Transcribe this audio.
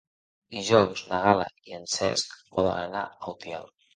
Dijous na Gal·la i en Cesc volen anar a Utiel.